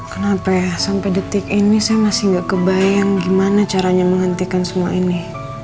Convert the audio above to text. kenapa ya sampai detik ini saya masih gak kebayang gimana caranya menghentikan semua ini